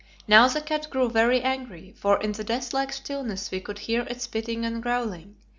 Now the cat grew very angry, for in the death like stillness we could hear it spitting and growling.